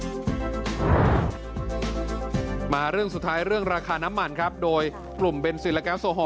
มาเรื่องสุดท้ายเรื่องราคาน้ำมันครับโดยกลุ่มเบนซินและแก๊สโซฮอล